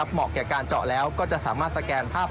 เหมาะแก่การเจาะแล้วก็จะสามารถสแกนภาพ